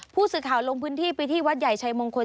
ผู้สื่อข่าวลงพื้นที่ไปที่วัดใหญ่ชัยมงคล